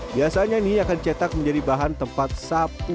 biasanya ini akan cetak menjadi bahan tempat sapu